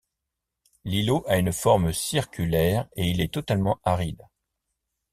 L'îlot a une forme circulaire et il est totalement aride.